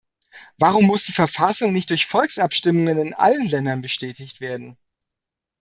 Warum muss die Verfassung nicht durch Volksabstimmungen in allen Ländern bestätigt werden?